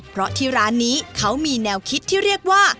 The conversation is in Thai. เพราะที่ร้านนี้เขามีแนวคิดที่เรียกว่า